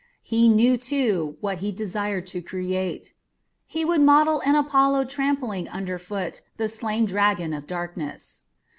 He knew, too, what he desired to create. He would model an Apollo trampling under foot the slain dragon of darkness.